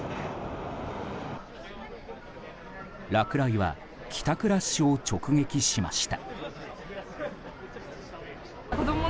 落雷は帰宅ラッシュを直撃しました。